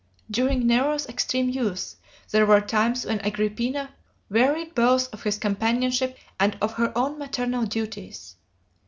During Nero's extreme youth, there were times when Agrippina wearied both of his companionship and of her own maternal duties.